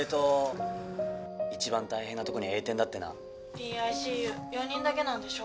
ＰＩＣＵ４人だけなんでしょ？